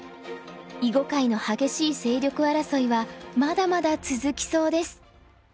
囲碁界の激しい勢力争いはまだまだ続きそうです。